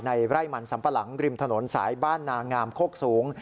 ไร่มันสัมปะหลังริมถนนสายบ้านนางามโคกสูง